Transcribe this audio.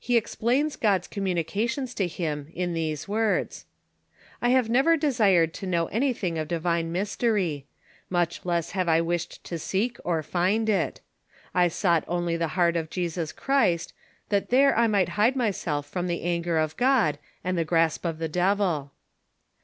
He explains God's communications to him in these words :" I have never desired to know anything of divine mystery ; much less have I wished to seek or find it. I sought only the heart of Jesus Christ, that there I might hide myself from the anger of God and the grasp of the devil."